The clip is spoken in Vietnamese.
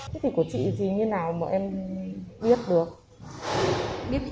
thế thì của chị thì như thế nào mà em biết được